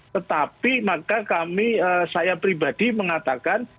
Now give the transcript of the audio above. tetapi maka kami saya pribadi mengatakan